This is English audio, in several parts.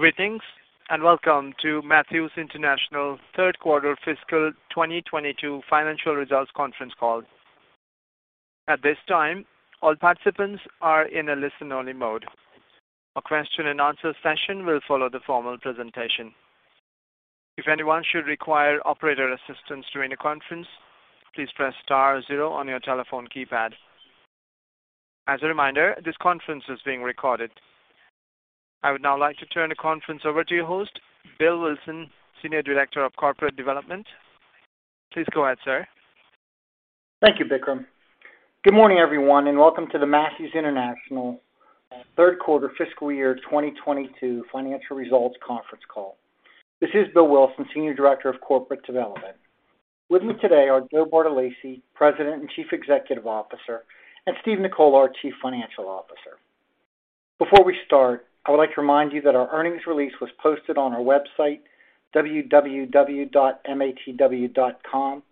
Greetings, and welcome to Matthews International third quarter fiscal 2022 financial results conference call. At this time, all participants are in a listen-only mode. A question and answer session will follow the formal presentation. If anyone should require operator assistance during the conference, please press star zero on your telephone keypad. As a reminder, this conference is being recorded. I would now like to turn the conference over to your host, Bill Wilson, Senior Director of Corporate Development. Please go ahead, sir. Thank you, Vikram. Good morning, everyone, and welcome to the Matthews International third quarter fiscal year 2022 financial results conference call. This is Bill Wilson, Senior Director of Corporate Development. With me today are Joe Bartolacci, President and Chief Executive Officer, and Steve Nicola, our Chief Financial Officer. Before we start, I would like to remind you that our earnings release was posted on our website, www.matw.com,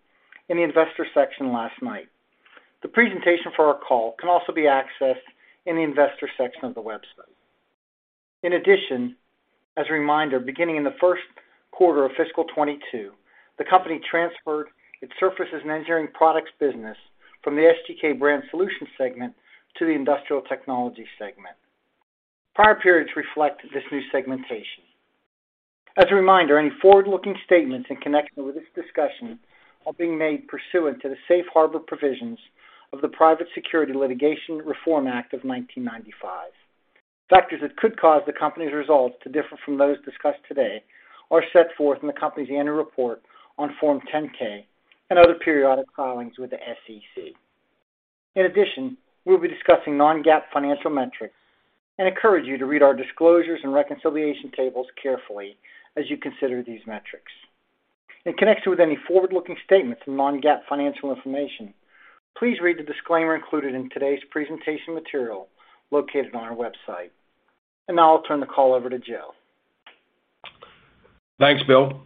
in the investor section last night. The presentation for our call can also be accessed in the investor section of the website. In addition, as a reminder, beginning in the first quarter of fiscal 2022, the company transferred its surfaces and engineering products business from the SGK Brand Solutions segment to the Industrial Technologies segment. Prior periods reflect this new segmentation. As a reminder, any forward-looking statements in connection with this discussion are being made pursuant to the Safe Harbor provisions of the Private Securities Litigation Reform Act of 1995. Factors that could cause the company's results to differ from those discussed today are set forth in the company's annual report on Form 10-K and other periodic filings with the SEC. In addition, we'll be discussing non-GAAP financial metrics and encourage you to read our disclosures and reconciliation tables carefully as you consider these metrics. In connection with any forward-looking statements and non-GAAP financial information, please read the disclaimer included in today's presentation material located on our website. Now I'll turn the call over to Joe. Thanks, Bill.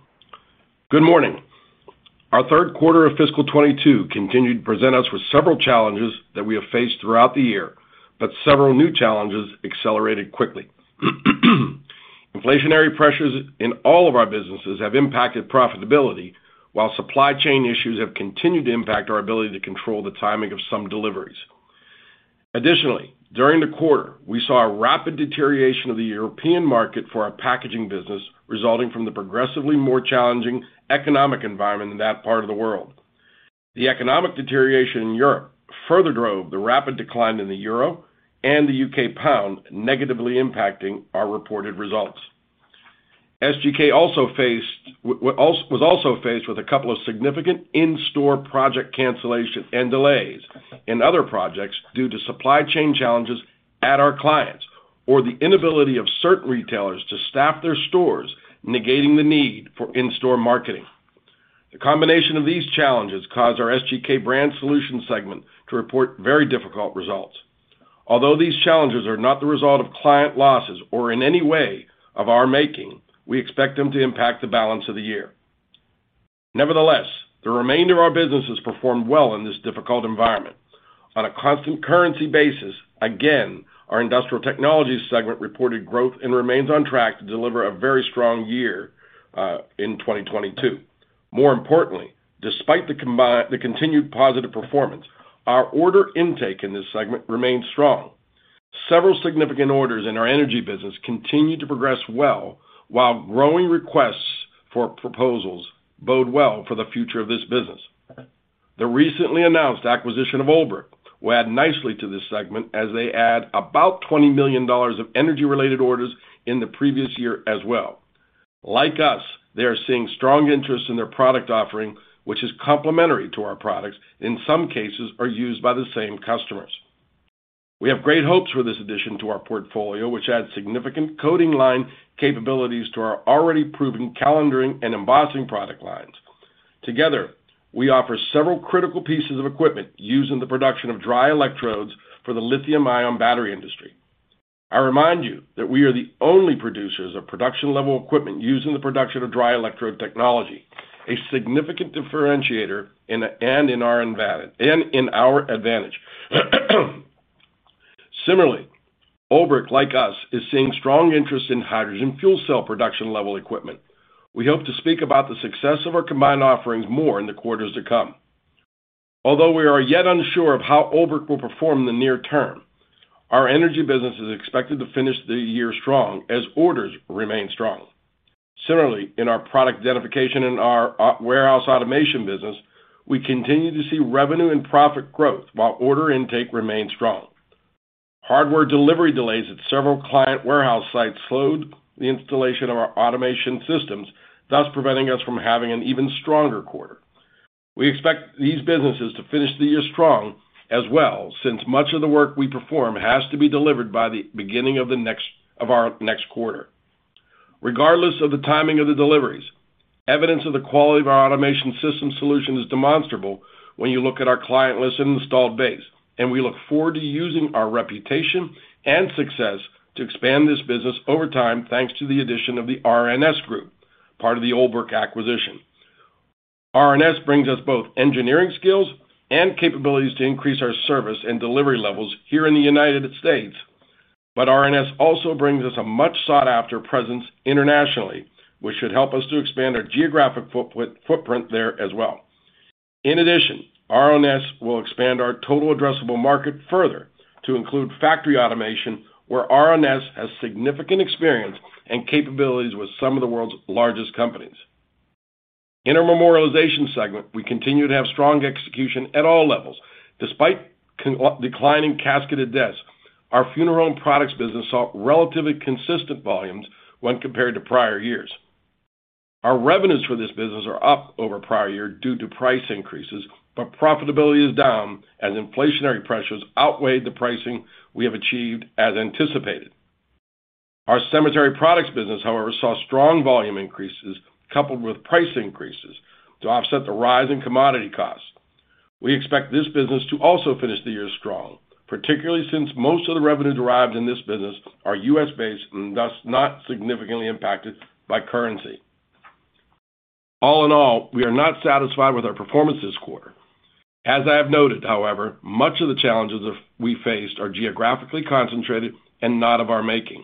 Good morning. Our third quarter of fiscal 2022 continued to present us with several challenges that we have faced throughout the year. Several new challenges accelerated quickly. Inflationary pressures in all of our businesses have impacted profitability, while supply chain issues have continued to impact our ability to control the timing of some deliveries. Additionally, during the quarter, we saw a rapid deterioration of the European market for our packaging business, resulting from the progressively more challenging economic environment in that part of the world. The economic deterioration in Europe further drove the rapid decline in the euro and the U.K. pound negatively impacting our reported results. SGK was also faced with a couple of significant in-store project cancellations and delays in other projects due to supply chain challenges at our clients, or the inability of certain retailers to staff their stores, negating the need for in-store marketing. The combination of these challenges caused our SGK Brand Solutions segment to report very difficult results. Although these challenges are not the result of client losses or in any way of our making, we expect them to impact the balance of the year. Nevertheless, the remainder of our businesses performed well in this difficult environment. On a constant currency basis, again, our Industrial Technologies segment reported growth and remains on track to deliver a very strong year in 2022. More importantly, despite the continued positive performance, our order intake in this segment remains strong. Several significant orders in our energy business continued to progress well, while growing requests for proposals bode well for the future of this business. The recently announced acquisition of Olbrich will add nicely to this segment as they add about $20 million of energy-related orders in the previous year as well. Like us, they are seeing strong interest in their product offering, which is complementary to our products. In some cases, are used by the same customers. We have great hopes for this addition to our portfolio, which adds significant coating line capabilities to our already proven calendaring and embossing product lines. Together, we offer several critical pieces of equipment used in the production of dry electrodes for the lithium-ion battery industry. I remind you that we are the only producers of production-level equipment used in the production of dry electrode technology, a significant differentiator and in our advantage. Similarly, Olbrich, like us, is seeing strong interest in hydrogen fuel cell production-level equipment. We hope to speak about the success of our combined offerings more in the quarters to come. Although we are yet unsure of how Olbrich will perform in the near term, our energy business is expected to finish the year strong as orders remain strong. Similarly, in our product identification and our warehouse automation business, we continue to see revenue and profit growth while order intake remains strong. Hardware delivery delays at several client warehouse sites slowed the installation of our automation systems, thus preventing us from having an even stronger quarter. We expect these businesses to finish the year strong as well, since much of the work we perform has to be delivered by the beginning of our next quarter. Regardless of the timing of the deliveries, evidence of the quality of our automation system solution is demonstrable when you look at our client list and installed base, and we look forward to using our reputation and success to expand this business over time, thanks to the addition of the R+S group, part of the Olbrich acquisition. R+S brings us both engineering skills and capabilities to increase our service and delivery levels here in the United States. R+S also brings us a much sought-after presence internationally, which should help us to expand our geographic footprint there as well. In addition, R+S will expand our total addressable market further to include factory automation, where R+S has significant experience and capabilities with some of the world's largest companies. In our Memorialization segment, we continue to have strong execution at all levels. Despite declining casketed deaths, our funeral products business saw relatively consistent volumes when compared to prior years. Our revenues for this business are up over prior year due to price increases, but profitability is down as inflationary pressures outweighed the pricing we have achieved as anticipated. Our cemetery products business, however, saw strong volume increases coupled with price increases to offset the rise in commodity costs. We expect this business to also finish the year strong, particularly since most of the revenues derived in this business are U.S.-based and thus not significantly impacted by currency. All in all, we are not satisfied with our performance this quarter. As I have noted, however, much of the challenges we faced are geographically concentrated and not of our making.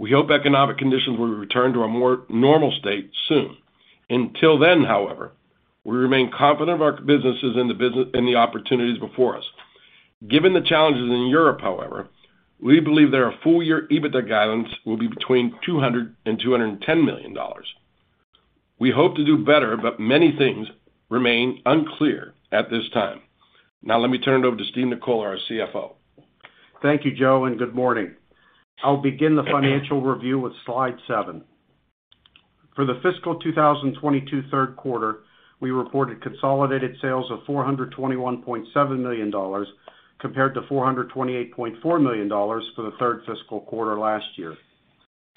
We hope economic conditions will return to a more normal state soon. Until then, however, we remain confident of our businesses and the opportunities before us. Given the challenges in Europe, however, we believe that our full year EBITDA guidance will be between $200 million and $210 million. We hope to do better, but many things remain unclear at this time. Now let me turn it over to Steve Nicola, our CFO. Thank you, Joe, and good morning. I'll begin the financial review with slide seven. For the fiscal 2022 third quarter, we reported consolidated sales of $421.7 million, compared to $428.4 million for the third fiscal quarter last year.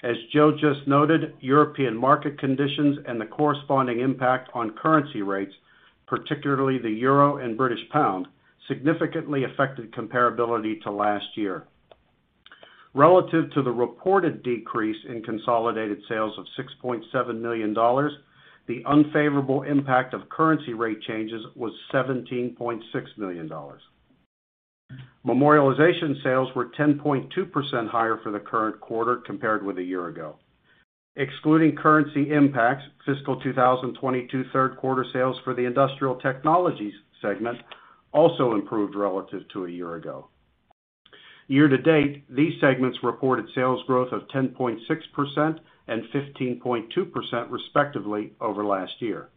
As Joe just noted, European market conditions and the corresponding impact on currency rates, particularly the euro and British pound, significantly affected comparability to last year. Relative to the reported decrease in consolidated sales of $6.7 million, the unfavorable impact of currency rate changes was $17.6 million. Memorialization sales were 10.2% higher for the current quarter compared with a year ago. Excluding currency impacts, fiscal 2022 third quarter sales for the Industrial Technologies segment also improved relative to a year ago. Year to date, these segments reported sales growth of 10.6% and 15.2% respectively over last year.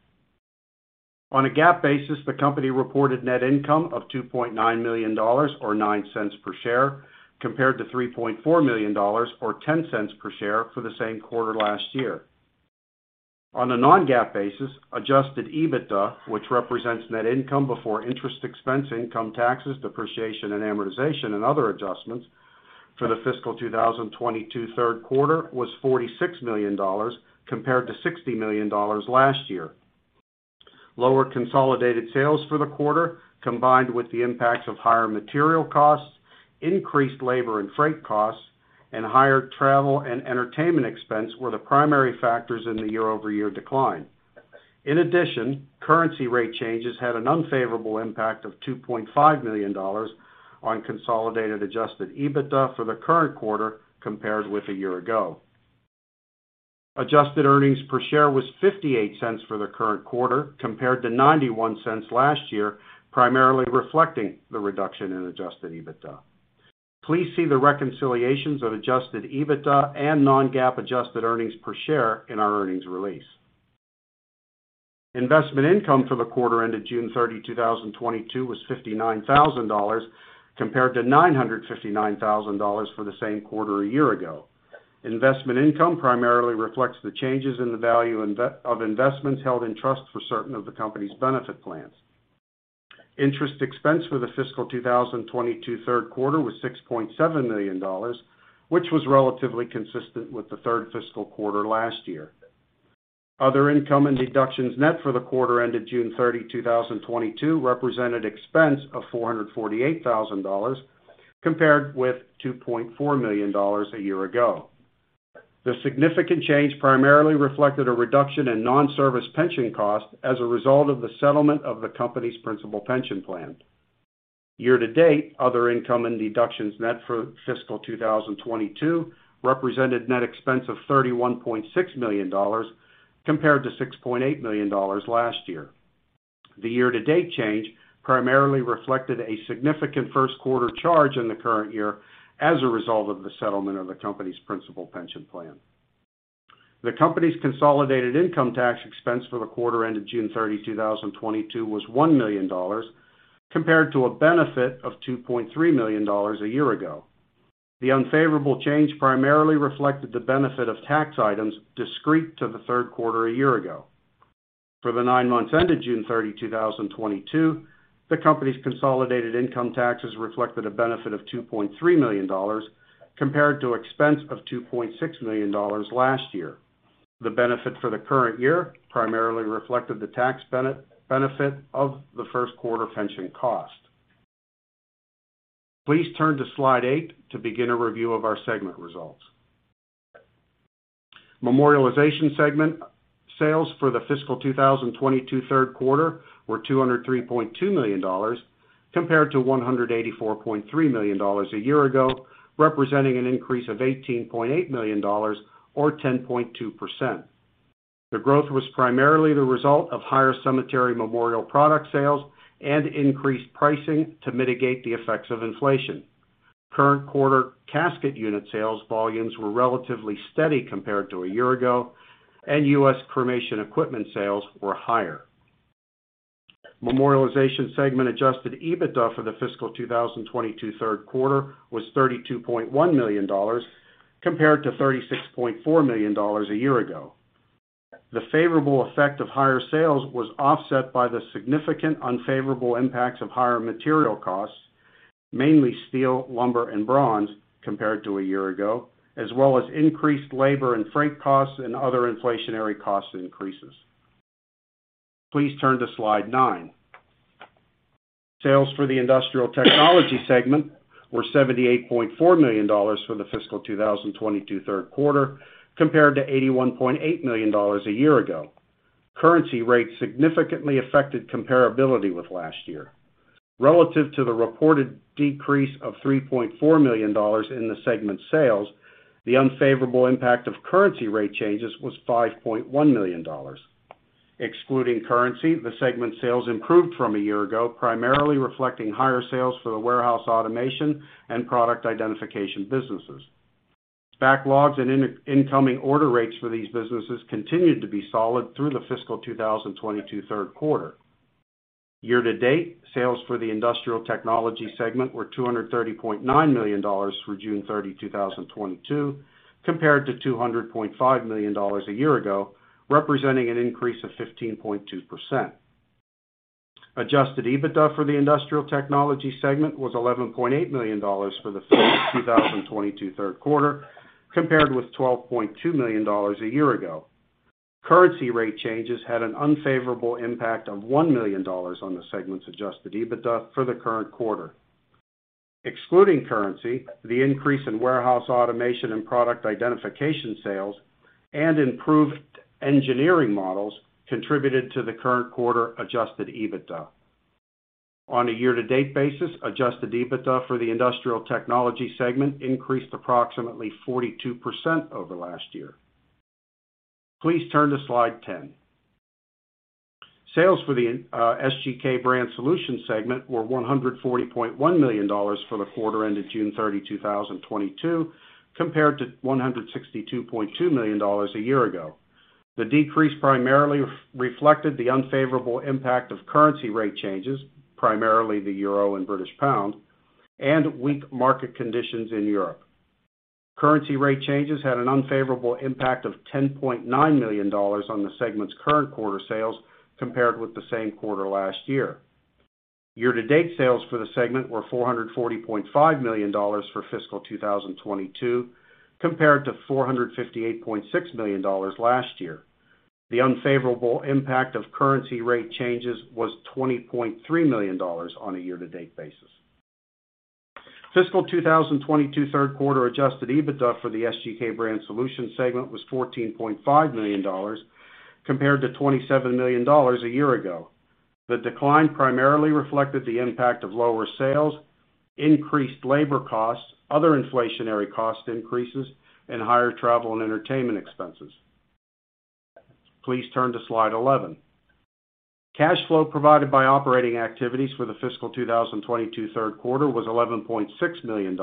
On a GAAP basis, the company reported net income of $2.9 million or $0.09 per share, compared to $3.4 million or $0.10 per share for the same quarter last year. On a non-GAAP basis, adjusted EBITDA, which represents net income before interest expense, income taxes, depreciation and amortization and other adjustments for the fiscal 2022 third quarter was $46 million, compared to $60 million last year. Lower consolidated sales for the quarter, combined with the impacts of higher material costs, increased labor and freight costs, and higher travel and entertainment expense were the primary factors in the year-over-year decline. In addition, currency rate changes had an unfavorable impact of $2.5 million on consolidated adjusted EBITDA for the current quarter compared with a year ago. Adjusted earnings per share was $0.58 for the current quarter, compared to $0.91 last year, primarily reflecting the reduction in adjusted EBITDA. Please see the reconciliations of adjusted EBITDA and non-GAAP adjusted earnings per share in our earnings release. Investment income for the quarter ended June 30, 2022 was $59,000, compared to $959,000 for the same quarter a year ago. Investment income primarily reflects the changes in the value of investments held in trust for certain of the company's benefit plans. Interest expense for the fiscal 2022 third quarter was $6.7 million, which was relatively consistent with the third fiscal quarter last year. Other income and deductions net for the quarter ended June 30, 2022 represented expense of $448,000, compared with $2.4 million a year ago. The significant change primarily reflected a reduction in non-service pension costs as a result of the settlement of the company's principal pension plan. Year to date, other income and deductions net for fiscal 2022 represented net expense of $31.6 million compared to $6.8 million last year. The year-to-date change primarily reflected a significant first quarter charge in the current year as a result of the settlement of the company's principal pension plan. The company's consolidated income tax expense for the quarter ended June 30, 2022 was $1 million compared to a benefit of $2.3 million a year ago. The unfavorable change primarily reflected the benefit of tax items discrete to the third quarter a year ago. For the nine months ended June 30, 2022, the company's consolidated income taxes reflected a benefit of $2.3 million compared to expense of $2.6 million last year. The benefit for the current year primarily reflected the tax benefit of the first quarter pension cost. Please turn to slide eight to begin a review of our segment results. Memorialization segment sales for the fiscal 2022 third quarter were $203.2 million compared to $184.3 million a year ago, representing an increase of $18.8 million or 10.2%. The growth was primarily the result of higher cemetery memorial product sales and increased pricing to mitigate the effects of inflation. Current quarter casket unit sales volumes were relatively steady compared to a year ago, and U.S. cremation equipment sales were higher. Memorialization segment adjusted EBITDA for the fiscal 2022 third quarter was $32.1 million, compared to $36.4 million a year ago. The favorable effect of higher sales was offset by the significant unfavorable impacts of higher material costs, mainly steel, lumber, and bronze, compared to a year ago, as well as increased labor and freight costs and other inflationary cost increases. Please turn to slide nine. Sales for the Industrial Technologies segment were $78.4 million for the fiscal 2022 third quarter, compared to $81.8 million a year ago. Currency rates significantly affected comparability with last year. Relative to the reported decrease of $3.4 million in the segment sales, the unfavorable impact of currency rate changes was $5.1 million. Excluding currency, the segment's sales improved from a year ago, primarily reflecting higher sales for the warehouse automation and product identification businesses. Backlogs and incoming order rates for these businesses continued to be solid through the fiscal 2022 third quarter. Year to date, sales for the Industrial Technologies segment were $230.9 million through June 30, 2022, compared to $200.5 million a year ago, representing an increase of 15.2%. Adjusted EBITDA for the Industrial Technologies segment was $11.8 million for the fiscal 2022 third quarter, compared with $12.2 million a year ago. Currency rate changes had an unfavorable impact of $1 million on the segment's adjusted EBITDA for the current quarter. Excluding currency, the increase in warehouse automation and product identification sales and improved engineering models contributed to the current quarter adjusted EBITDA. On a year-to-date basis, adjusted EBITDA for the Industrial Technologies segment increased approximately 42% over last year. Please turn to slide 10. Sales for the SGK Brand Solutions segment were $140.1 million for the quarter ended June 30, 2022, compared to $162.2 million a year ago. The decrease primarily reflected the unfavorable impact of currency rate changes, primarily the euro and British pound, and weak market conditions in Europe. Currency rate changes had an unfavorable impact of $10.9 million on the segment's current quarter sales compared with the same quarter last year. Year to date, sales for the segment were $440.5 million for fiscal 2022, compared to $458.6 million last year. The unfavorable impact of currency rate changes was $20.3 million on a year-to-date basis. Fiscal 2022 third quarter adjusted EBITDA for the SGK Brand Solutions segment was $14.5 million, compared to $27 million a year ago. The decline primarily reflected the impact of lower sales, increased labor costs, other inflationary cost increases, and higher travel and entertainment expenses. Please turn to slide 11. Cash flow provided by operating activities for the fiscal 2022 third quarter was $11.6 million,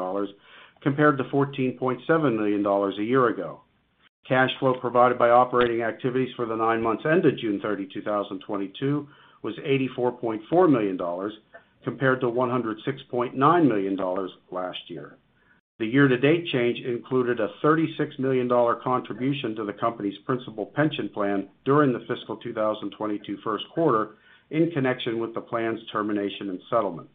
compared to $14.7 million a year ago. Cash flow provided by operating activities for the nine months ended June 30, 2022 was $84.4 million, compared to $106.9 million last year. The year-to-date change included a $36 million dollar contribution to the company's principal pension plan during the fiscal 2022 first quarter in connection with the plan's termination and settlement.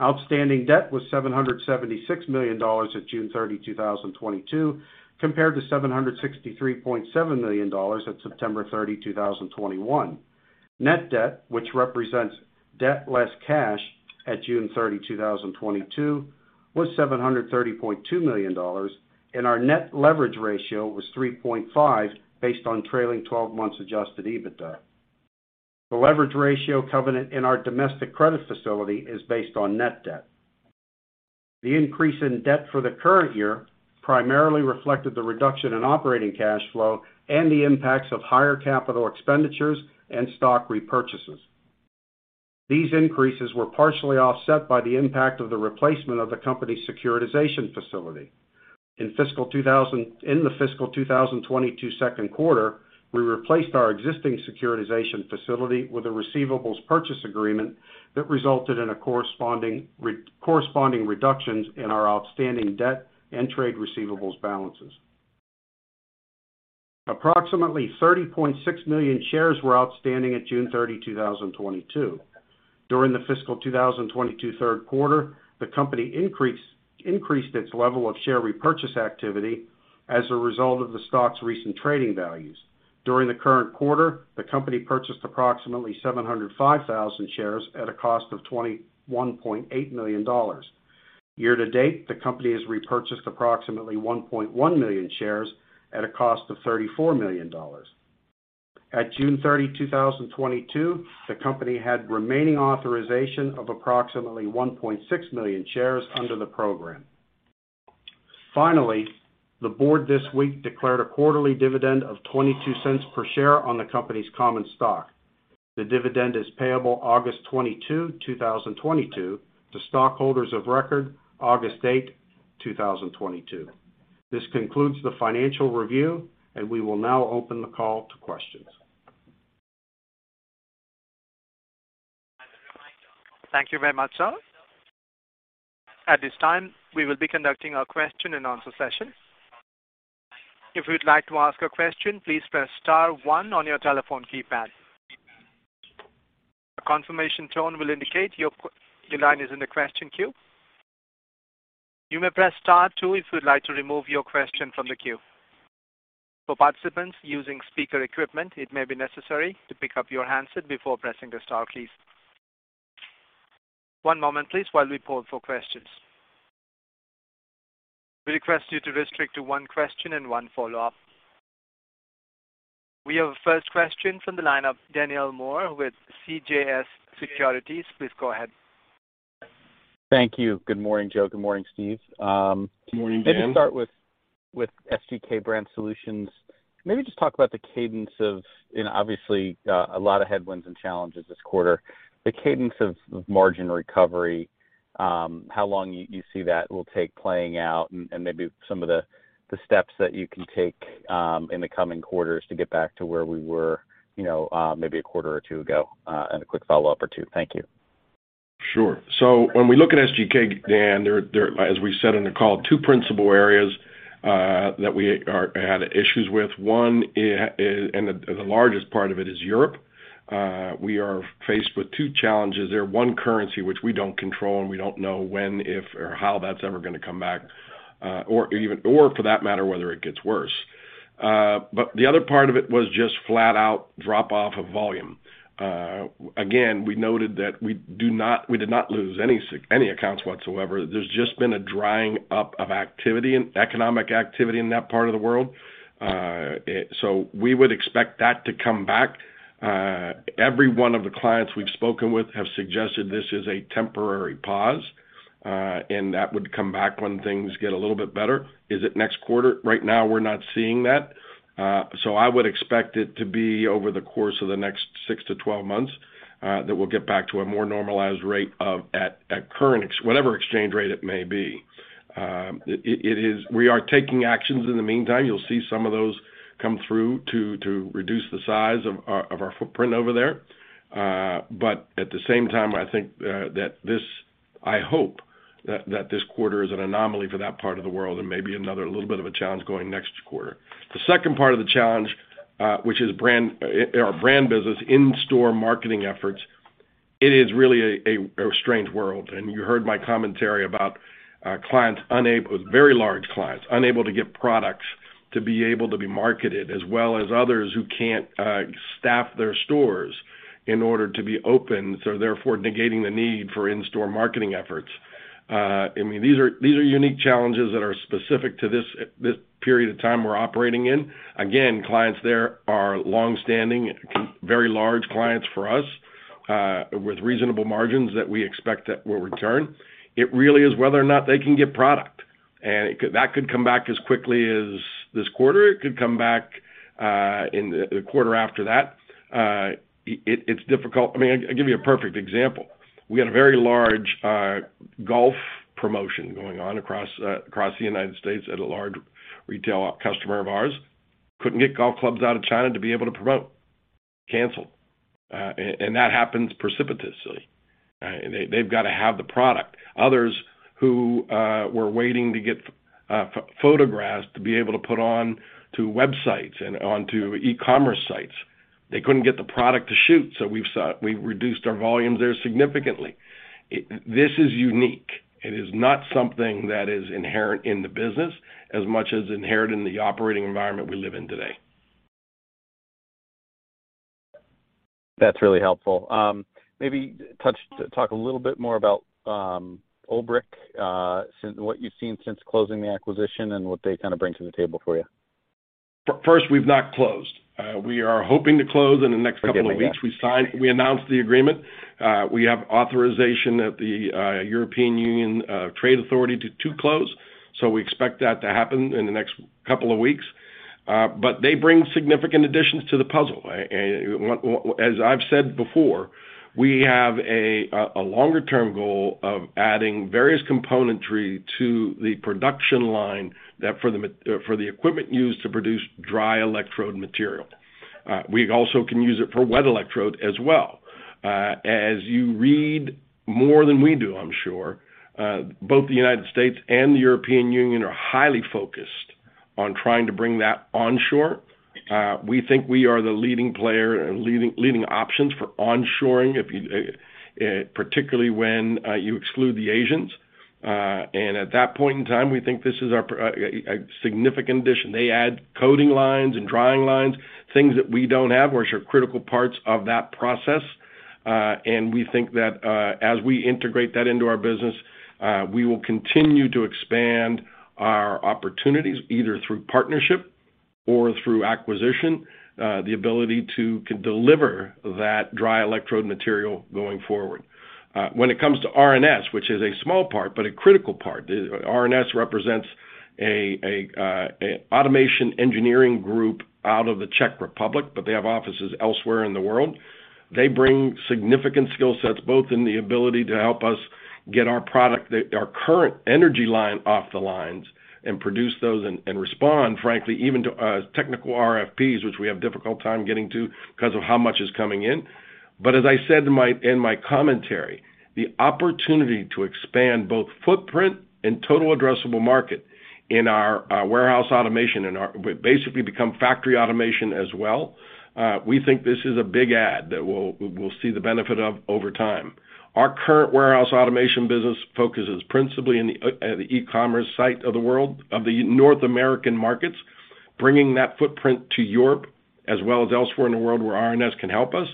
Outstanding debt was $776 million at June 30, 2022, compared to $763.7 million at September 30, 2021. Net debt, which represents debt less cash at June 30, 2022, was $730.2 million, and our net leverage ratio was 3.5 based on trailing twelve months adjusted EBITDA. The leverage ratio covenant in our domestic credit facility is based on net debt. The increase in debt for the current year primarily reflected the reduction in operating cash flow and the impacts of higher capital expenditures and stock repurchases. These increases were partially offset by the impact of the replacement of the company's securitization facility. In fiscal 2022 second quarter, we replaced our existing securitization facility with a receivables purchase agreement that resulted in corresponding reductions in our outstanding debt and trade receivables balances. Approximately 30.6 million shares were outstanding at June 30, 2022. During the fiscal 2022 third quarter, the company increased its level of share repurchase activity as a result of the stock's recent trading values. During the current quarter, the company purchased approximately 705,000 shares at a cost of $21.8 million. Year to date, the company has repurchased approximately 1.1 million shares at a cost of $34 million. At June 30, 2022, the company had remaining authorization of approximately 1.6 million shares under the program. Finally, the board this week declared a quarterly dividend of $0.22 per share on the company's common stock. The dividend is payable August 22, 2022 to stockholders of record August 8, 2022. This concludes the financial review, and we will now open the call to questions. Thank you very much, sir. At this time, we will be conducting our question and answer session. If you'd like to ask a question, please press star one on your telephone keypad. A confirmation tone will indicate your line is in the question queue. You may press star two if you'd like to remove your question from the queue. For participants using speaker equipment, it may be necessary to pick up your handset before pressing the star key. One moment please while we poll for questions. We request you to restrict to one question and one follow-up. We have a first question from the line of Daniel Moore with CJS Securities. Please go ahead. Thank you. Good morning, Joe. Good morning, Steve. Good morning, Dan. Maybe start with SGK Brand Solutions. Maybe just talk about the cadence of, you know, obviously a lot of headwinds and challenges this quarter. The cadence of margin recovery, how long you see that will take playing out and maybe some of the steps that you can take in the coming quarters to get back to where we were, you know, maybe a quarter or two ago and a quick follow-up or two. Thank you. Sure. When we look at SGK, Dan, as we said in the call, two principal areas that we had issues with. One and the largest part of it is Europe. We are faced with two challenges there, one currency which we don't control, and we don't know when, if or how that's ever gonna come back, or for that matter, whether it gets worse. But the other part of it was just flat out drop off of volume. Again, we noted that we did not lose any accounts whatsoever. There's just been a drying up of activity and economic activity in that part of the world. We would expect that to come back. Every one of the clients we've spoken with have suggested this is a temporary pause, and that would come back when things get a little bit better. Is it next quarter? Right now, we're not seeing that. I would expect it to be over the course of the next six months to 12 months, that we'll get back to a more normalized rate at current exchange rate whatever it may be. We are taking actions in the meantime. You'll see some of those come through to reduce the size of our footprint over there. At the same time, I think that this. I hope that this quarter is an anomaly for that part of the world and maybe another little bit of a challenge going next quarter. The second part of the challenge, which is brand, our brand business in-store marketing efforts, it is really a strange world. You heard my commentary about very large clients unable to get products to be able to be marketed, as well as others who can't staff their stores in order to be open, so therefore negating the need for in-store marketing efforts. I mean, these are unique challenges that are specific to this period of time we're operating in. Again, clients there are longstanding, very large clients for us with reasonable margins that we expect that will return. It really is whether or not they can get product. That could come back as quickly as this quarter. It could come back in the quarter after that. It's difficult. I mean, I'll give you a perfect example. We had a very large golf promotion going on across the United States at a large retail customer of ours. Couldn't get golf clubs out of China to be able to promote. Canceled. That happens precipitously. They've got to have the product. Others who were waiting to get photographs to be able to put on to websites and onto e-commerce sites. They couldn't get the product to shoot, so we reduced our volumes there significantly. This is unique. It is not something that is inherent in the business as much as inherent in the operating environment we live in today. That's really helpful. Maybe talk a little bit more about Olbrich, what you've seen since closing the acquisition and what they kind of bring to the table for you. First, we've not closed. We are hoping to close in the next couple of weeks. Forgive me, yeah. We announced the agreement. We have authorization at the European Union Trade Authority to close. We expect that to happen in the next couple of weeks. They bring significant additions to the puzzle. As I've said before, we have a longer-term goal of adding various componentry to the production line that for the equipment used to produce dry electrode material. We also can use it for wet electrode as well. As you read more than we do, I'm sure, both the United States and the European Union are highly focused on trying to bring that onshore. We think we are the leading player and leading options for onshoring if you. Particularly when you exclude the Asians. At that point in time, we think this is our significant addition. They add coating lines and drying lines, things that we don't have, which are critical parts of that process. We think that as we integrate that into our business, we will continue to expand our opportunities either through partnership or through acquisition, the ability to deliver that dry electrode material going forward. When it comes to R+S, which is a small part but a critical part, R+S represents an automation engineering group out of the Czech Republic, but they have offices elsewhere in the world. They bring significant skill sets, both in the ability to help us get our product, our current energy line off the lines and produce those and respond, frankly, even to technical RFPs, which we have difficult time getting to because of how much is coming in. As I said in my commentary, the opportunity to expand both footprint and total addressable market in our warehouse automation and our basically become factory automation as well, we think this is a big add that we'll see the benefit of over time. Our current warehouse automation business focuses principally in the e-commerce side of the world, of the North American markets, bringing that footprint to Europe as well as elsewhere in the world where R+S can help us,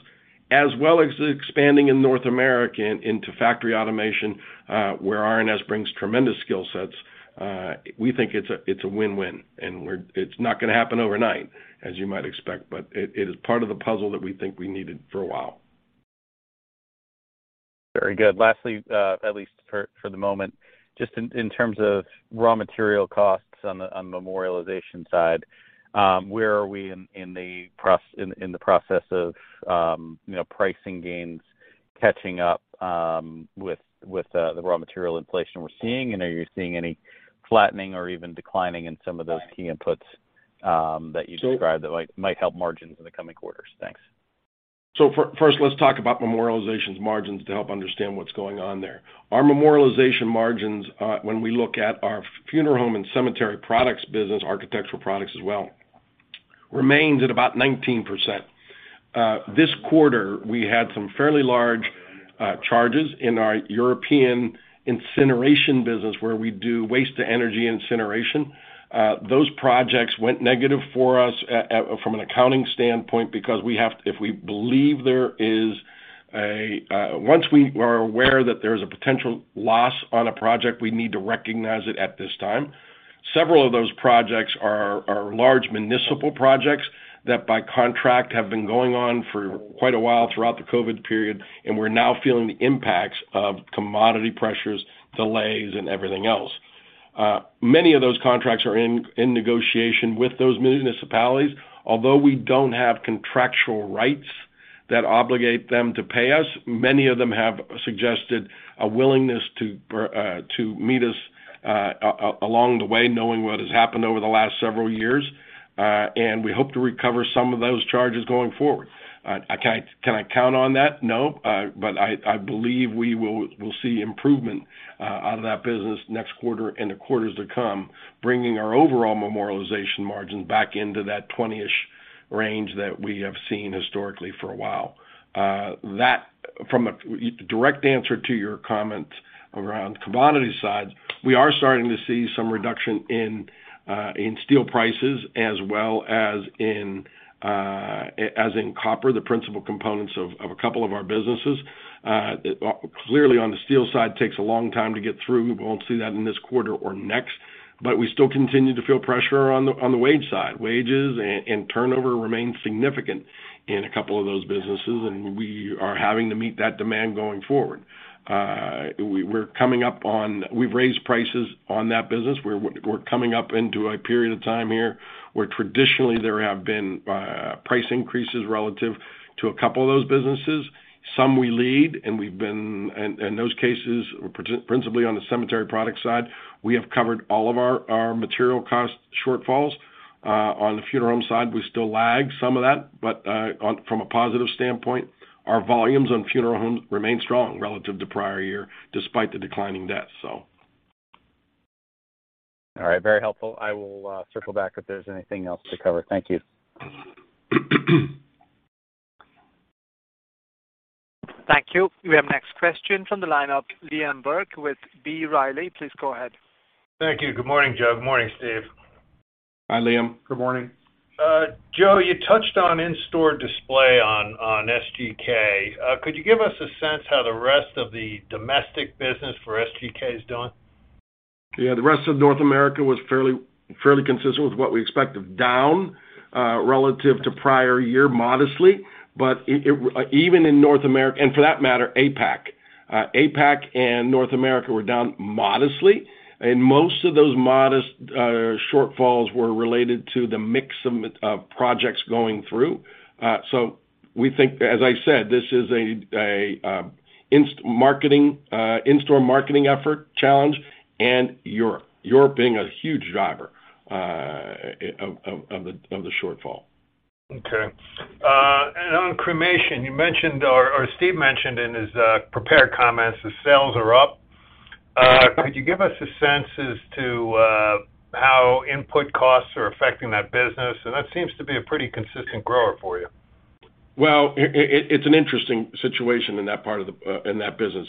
as well as expanding in North America into factory automation, where R+S brings tremendous skill sets. We think it's a win-win, and it's not going to happen overnight, as you might expect, but it is part of the puzzle that we think we needed for a while. Very good. Lastly, at least for the moment, just in terms of raw material costs on the Memorialization side, where are we in the process of, you know, pricing gains catching up with the raw material inflation we're seeing? And are you seeing any flattening or even declining in some of those key inputs that you described that might help margins in the coming quarters? Thanks. First, let's talk about memorialization margins to help understand what's going on there. Our memorialization margins, when we look at our funeral home and cemetery products business, Architectural Products as well, remain at about 19%. This quarter, we had some fairly large charges in our European incineration business where we do waste-to-energy incineration. Those projects went negative for us from an accounting standpoint because if we believe, once we are aware that there's a potential loss on a project, we need to recognize it at this time. Several of those projects are large municipal projects that by contract have been going on for quite a while throughout the COVID period, and we're now feeling the impacts of commodity pressures, delays, and everything else. Many of those contracts are in negotiation with those municipalities. Although we don't have contractual rights that obligate them to pay us, many of them have suggested a willingness to meet us along the way, knowing what has happened over the last several years, and we hope to recover some of those charges going forward. Can I count on that? No. But I believe we will see improvement out of that business next quarter and the quarters to come, bringing our overall Memorialization margin back into that 20-ish% range that we have seen historically for a while. That, from a direct answer to your comment around commodity side, we are starting to see some reduction in steel prices as well as in copper, the principal components of a couple of our businesses. Clearly on the steel side, takes a long time to get through. We won't see that in this quarter or next, but we still continue to feel pressure on the wage side. Wages and turnover remain significant in a couple of those businesses, and we are having to meet that demand going forward. We've raised prices on that business. We're coming up into a period of time here where traditionally there have been price increases relative to a couple of those businesses. Some we lead, and in those cases, principally on the cemetery product side, we have covered all of our material cost shortfalls. On the funeral home side, we still lag some of that. From a positive standpoint, our volumes on funeral homes remain strong relative to prior year despite the declining death. All right. Very helpful. I will circle back if there's anything else to cover. Thank you. Thank you. We have next question from the line of Liam Burke with B. Riley. Please go ahead. Thank you. Good morning, Joe. Good morning, Steve. Hi, Liam. Good morning. Joe, you touched on in-store display on SGK. Could you give us a sense how the rest of the domestic business for SGK is doing? The rest of North America was fairly consistent with what we expected, down relative to prior year modestly. Even in North America, and for that matter, APAC. APAC and North America were down modestly, and most of those modest shortfalls were related to the mix of projects going through. So we think, as I said, this is a in-store marketing effort challenge, and Europe being a huge driver of the shortfall. Okay. On cremation, you mentioned, or Steve mentioned in his prepared comments, the sales are up. Could you give us a sense as to how input costs are affecting that business? That seems to be a pretty consistent grower for you. It's an interesting situation in that part of the business.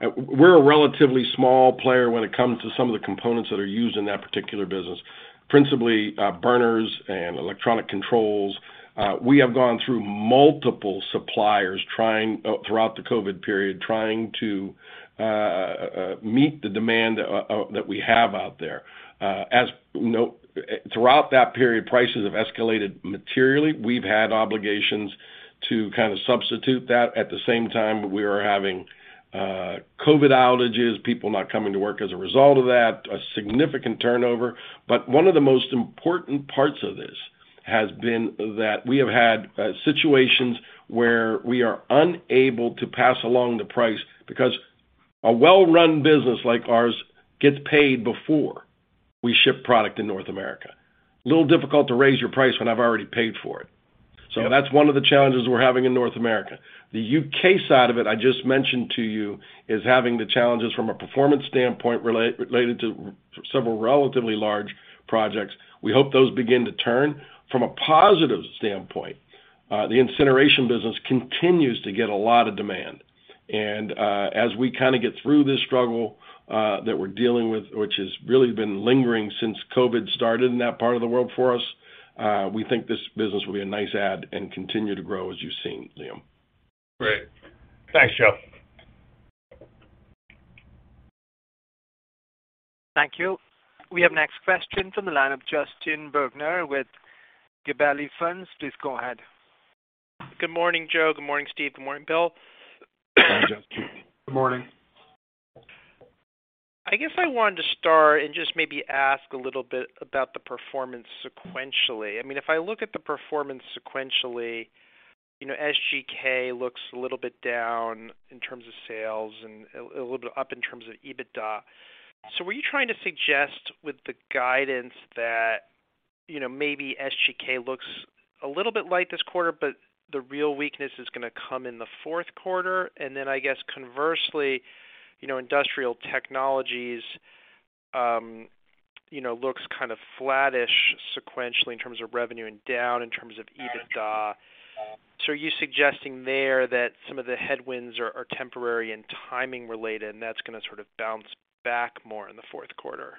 We're a relatively small player when it comes to some of the components that are used in that particular business, principally, burners and electronic controls. We have gone through multiple suppliers throughout the COVID period, trying to meet the demand that we have out there. Throughout that period, prices have escalated materially. We've had obligations to kind of substitute that. At the same time, we are having COVID outages, people not coming to work as a result of that, a significant turnover. One of the most important parts of this has been that we have had situations where we are unable to pass along the price because a well-run business like ours gets paid before we ship product in North America. A little difficult to raise your price when I've already paid for it. Yeah. That's one of the challenges we're having in North America. The U.K. side of it, I just mentioned to you, is having the challenges from a performance standpoint related to several relatively large projects. We hope those begin to turn. From a positive standpoint, the incineration business continues to get a lot of demand. As we kind of get through this struggle that we're dealing with, which has really been lingering since COVID started in that part of the world for us, we think this business will be a nice add and continue to grow as you've seen, Liam. Great. Thanks, Joe. Thank you. We have next question from the line of Justin Bergner with Gabelli Funds. Please go ahead. Good morning, Joe. Good morning, Steve. Good morning, Bill. Hi, Justin. Good morning. I guess I wanted to start and just maybe ask a little bit about the performance sequentially. I mean, if I look at the performance sequentially, you know, SGK looks a little bit down in terms of sales and a little bit up in terms of EBITDA. Were you trying to suggest with the guidance that, you know, maybe SGK looks a little bit light this quarter, but the real weakness is gonna come in the fourth quarter? Then I guess conversely, you know, Industrial Technologies, you know, looks kind of flattish sequentially in terms of revenue and down in terms of EBITDA. Are you suggesting there that some of the headwinds are temporary and timing related, and that's gonna sort of bounce back more in the fourth quarter?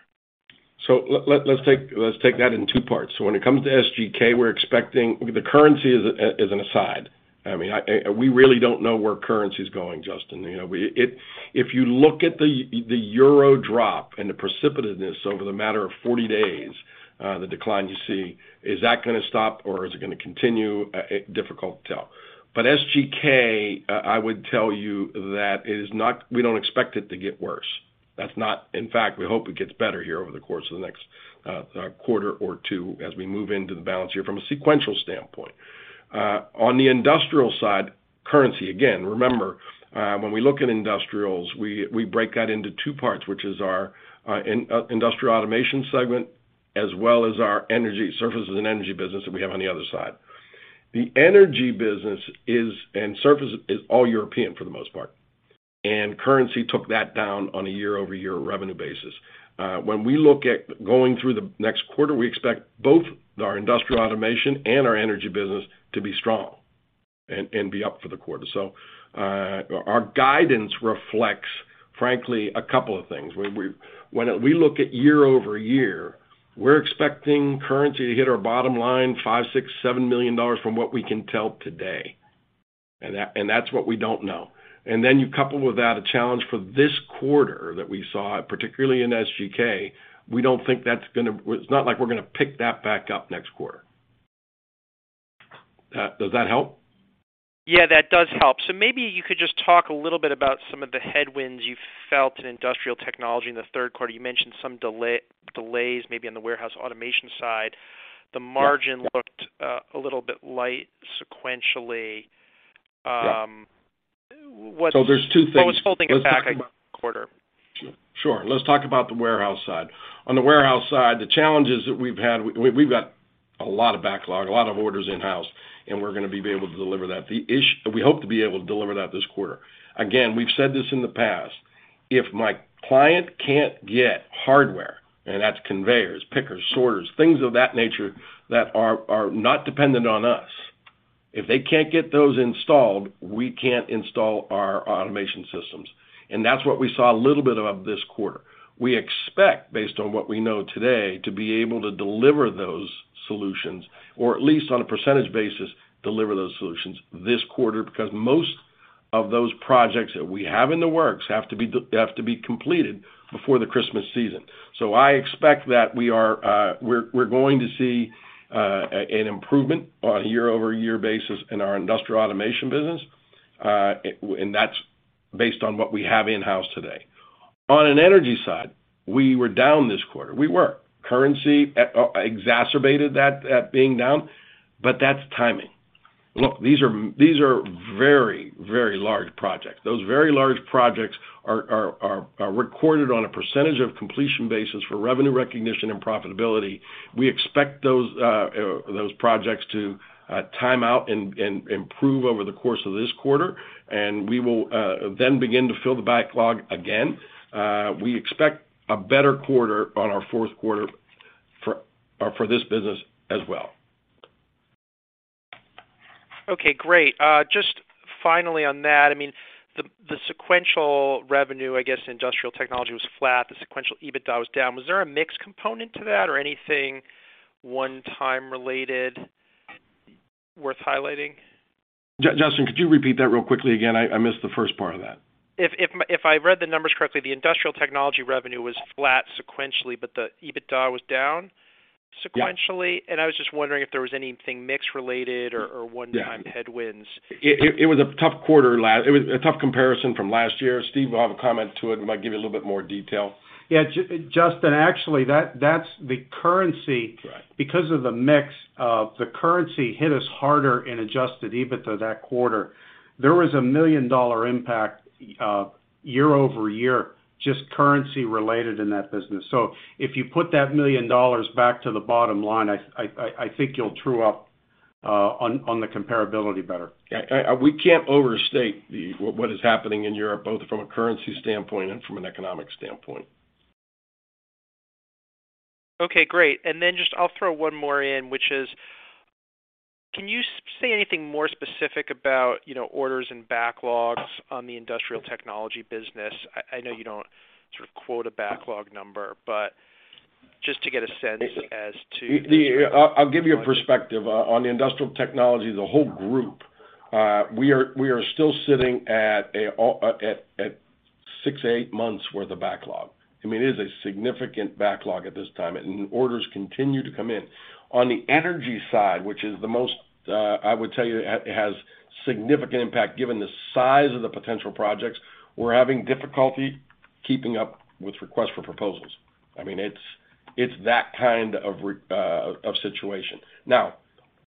Let's take that in two parts. When it comes to SGK, we're expecting. The currency is an aside. I mean, we really don't know where currency is going, Justin. You know, if you look at the euro drop and the precipitousness over the matter of 40 days, the decline you see, is that gonna stop, or is it gonna continue? Difficult to tell. SGK, I would tell you that it is not. We don't expect it to get worse. That's not. In fact, we hope it gets better here over the course of the next quarter or two as we move into the balance here from a sequential standpoint. On the industrial side, currency, again, remember, when we look at industrials, we break that into two parts, which is our industrial automation segment, as well as our energy services and energy business that we have on the other side. The energy business and services are all European for the most part, and currency took that down on a year-over-year revenue basis. When we look at going through the next quarter, we expect both our industrial automation and our energy business to be strong and be up for the quarter. Our guidance reflects, frankly, a couple of things. When we look at year-over-year, we're expecting currency to hit our bottom line $5 million, $6 million, $7 million from what we can tell today. That's what we don't know. You couple with that a challenge for this quarter that we saw, particularly in SGK. We don't think that's gonna. It's not like we're gonna pick that back up next quarter. Does that help? Yeah, that does help. Maybe you could just talk a little bit about some of the headwinds you felt in Industrial Technologies in the third quarter. You mentioned some delays maybe on the warehouse automation side. Yeah. The margin looked a little bit light sequentially. Yeah. What- There's two things. What was holding it back quarter? Sure. Let's talk about the warehouse side. On the warehouse side, the challenges that we've had, we've got a lot of backlog, a lot of orders in-house, and we're gonna be able to deliver that. We hope to be able to deliver that this quarter. Again, we've said this in the past, if my client can't get hardware, and that's conveyors, pickers, sorters, things of that nature that are not dependent on us, if they can't get those installed, we can't install our automation systems. That's what we saw a little bit of this quarter. We expect, based on what we know today, to be able to deliver those solutions, or at least on a percentage basis, deliver those solutions this quarter because most of those projects that we have in the works have to be completed before the Christmas season. I expect that we're going to see an improvement on a year-over-year basis in our industrial automation business, and that's based on what we have in-house today. On an energy side, we were down this quarter. Currency exacerbated that being down, but that's timing. Look, these are very large projects. Those very large projects are recorded on a percentage of completion basis for revenue recognition and profitability. We expect those projects to time out and improve over the course of this quarter, and we will then begin to fill the backlog again. We expect a better quarter on our fourth quarter for this business as well. Okay, great. Just finally on that, I mean, the sequential revenue, I guess, industrial technology was flat. The sequential EBITDA was down. Was there a mixed component to that or anything one time related worth highlighting? Justin, could you repeat that real quickly again? I missed the first part of that. If I read the numbers correctly, the Industrial Technologies revenue was flat sequentially, but the EBITDA was down sequentially. Yeah. I was just wondering if there was anything mix related or one time headwinds? Yeah. It was a tough comparison from last year. Steve will have a comment to it. Might give you a little bit more detail. Yeah. Justin, actually, that's the currency. Right. Because of the mix, the currency hit us harder in adjusted EBITDA that quarter. There was a $1 million impact year-over-year, just currency related in that business. If you put that $1 million back to the bottom line, I think you'll true up on the comparability better. We can't overstate what is happening in Europe, both from a currency standpoint and from an economic standpoint. Okay, great. Just I'll throw one more in, which is, can you say anything more specific about, you know, orders and backlogs on the Industrial Technologies business? I know you don't sort of quote a backlog number, but just to get a sense as to I'll give you a perspective. On the Industrial Technologies, the whole group, we are still sitting at six months-eight months worth of backlog. I mean, it is a significant backlog at this time, and orders continue to come in. On the energy storage solutions side, which is the most, I would tell you it has significant impact given the size of the potential projects, we're having difficulty keeping up with requests for proposals. I mean, it's that kind of situation. Now,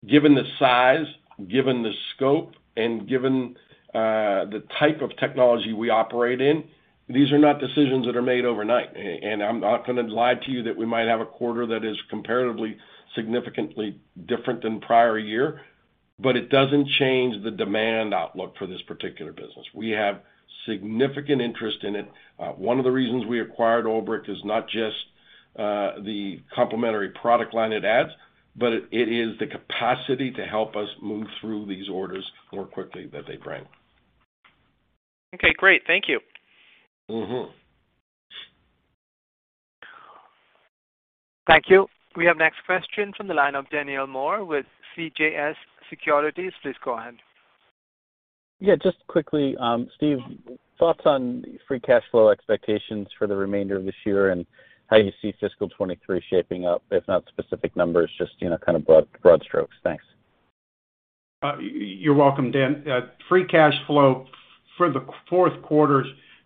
given the size, given the scope, and given the type of technology we operate in, these are not decisions that are made overnight. I'm not gonna lie to you that we might have a quarter that is comparatively significantly different than prior year, but it doesn't change the demand outlook for this particular business. We have significant interest in it. One of the reasons we acquired Olbrich is not just the complementary product line it adds, but it is the capacity to help us move through these orders more quickly that they bring. Okay, great. Thank you. Mm-hmm. Thank you. We have next question from the line of Daniel Moore with CJS Securities. Please go ahead. Yeah, just quickly, Steve, thoughts on free cash flow expectations for the remainder of this year and how you see fiscal 2023 shaping up, if not specific numbers, just, you know, kind of broad strokes? Thanks. You're welcome, Dan. Free cash flow for the fourth quarter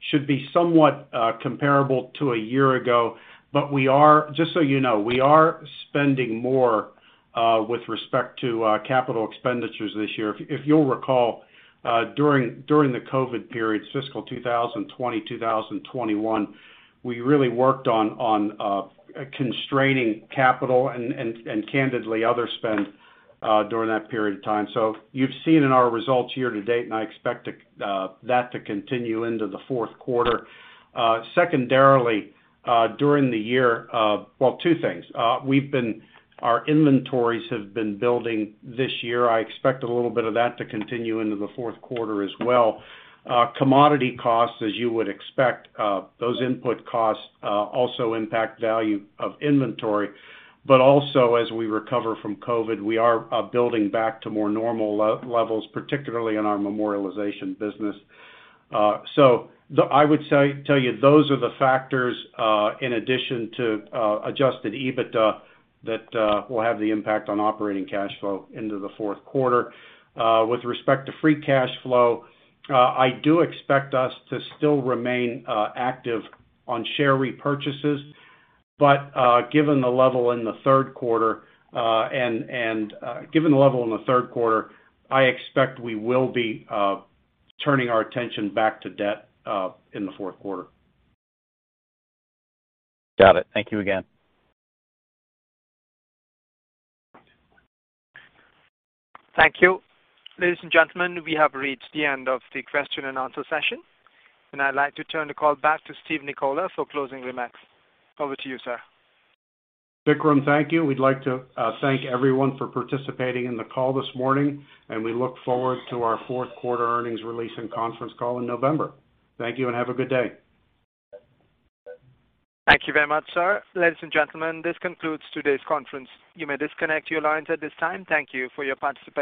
should be somewhat comparable to a year ago, but we are. Just so you know, we are spending more with respect to capital expenditures this year. If you'll recall, during the COVID period, fiscal 2020, 2021, we really worked on constraining capital and candidly other spend during that period of time. You've seen in our results year to date, and I expect that to continue into the fourth quarter. Secondarily, during the year. Well, two things. Our inventories have been building this year. I expect a little bit of that to continue into the fourth quarter as well. Commodity costs, as you would expect, those input costs also impact value of inventory. As we recover from COVID, we are building back to more normal levels, particularly in our Memorialization business. Those are the factors, in addition to adjusted EBITDA that will have the impact on operating cash flow into the fourth quarter. With respect to free cash flow, I do expect us to still remain active on share repurchases. Given the level in the third quarter, I expect we will be turning our attention back to debt in the fourth quarter. Got it. Thank you again. Thank you. Ladies and gentlemen, we have reached the end of the question and answer session, and I'd like to turn the call back to Steve Nicola for closing remarks. Over to you, sir. Vikram, thank you. We'd like to thank everyone for participating in the call this morning, and we look forward to our fourth quarter earnings release and conference call in November. Thank you and have a good day. Thank you very much, sir. Ladies and gentlemen, this concludes today's conference. You may disconnect your lines at this time. Thank you for your participation.